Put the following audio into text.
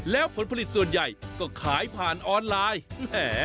แล้วผลผลิตส่วนใหญ่ก็ขายผ่านออนไลน์แหม